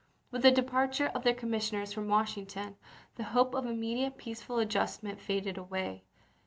With the departure of then* commissioners from Washington, the hope of im mediate peaceful adjustment faded away.